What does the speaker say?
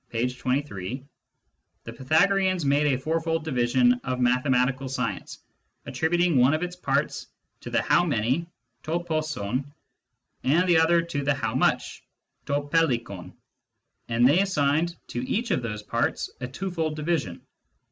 23) :" The Pythagoreans made a fourfold division of mathematical science, attributing one of its parts to the how many, r^ v^croy, and the other to the how much, r^ Tiyxdcoy ; and they assigned to each of these parts a twofold division.